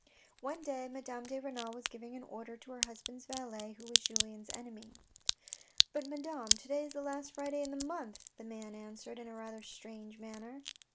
One day Madame de Renal was giving an order to her husband's valet who was Julien's enemy. " But, Madame, to day is the last Friday in the month," the man answered in a rather strange manner.